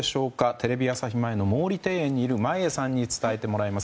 テレビ朝日前の毛利庭園にいる眞家さんに伝えてもらいます。